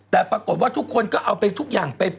แต่ปรากฏว่าทุกคนก็เอาไปทุกอย่างไป